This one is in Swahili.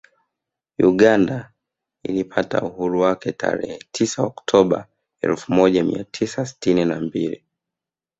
Uganda ilipata uhuru wake tarehe tisa Oktoba elfu moja mia tisa sitini na mbili